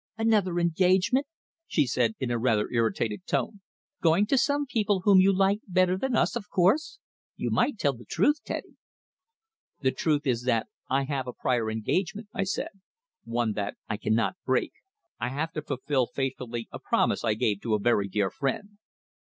"Another engagement?" she said in a rather irritated tone. "Going to some people whom you like better than us, of course. You might tell the truth, Teddy." "The truth is that I have a prior engagement," I said. "One that I cannot break. I have to fulfill faithfully a promise I gave to a very dear friend."